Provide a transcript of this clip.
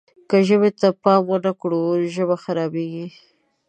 که ژبې ته پام ونه کړو ژبه خرابېږي.